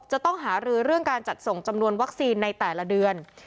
จะต้องหารือเรื่องการจัดส่งจำนวนวัคซีนในแต่ละเดือน